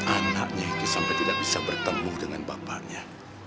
anaknya itu sampai tidak bisa bertemu dengan bapaknya